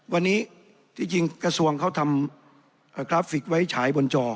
วันนี้ที่จริงกระทรวงเขาทำกราฟิกไว้ฉายบนจอ